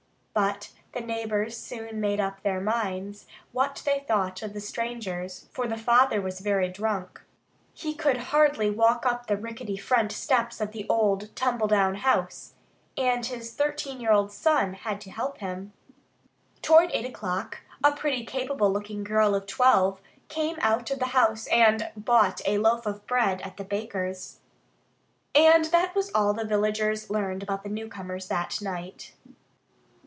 But the neighbors soon made up their minds what they thought of the strangers, for the father was very drunk. He could hardly walk up the rickety front steps of the old tumble down house, and his thirteen year old son had to help him. Toward eight o'clock a pretty, capable looking girl of twelve came out of the house and bought a loaf of bread at the baker's. And that was all the villagers learned about the newcomers that night.